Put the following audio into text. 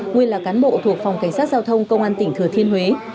nguyên là cán bộ thuộc phòng cảnh sát giao thông công an tỉnh thừa thiên huế